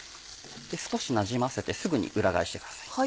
少しなじませてすぐに裏返してください。